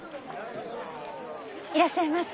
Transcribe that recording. いらっしゃいませ。